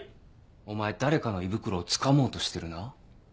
お前誰かの胃袋をつかもうとしてるな？